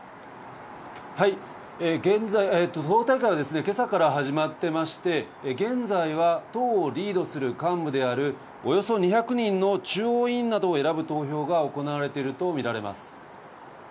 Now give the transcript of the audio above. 現在、党大会はですね、今朝から始まってまして、現在は党をリードする幹部である、およそ２００人の中央委員などを選ぶ投票が行われているとみられます。